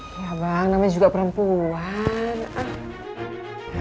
iya bang namanya juga perempuan